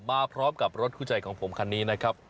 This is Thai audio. มาพร้อมกับรถคู่ใจของผมคันนี้นะครับ